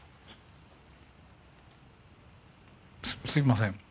すすいません。